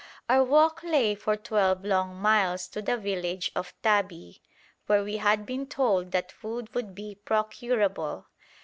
Our walk lay for twelve long miles to the village of Tabi, where we had been told that food would be procurable.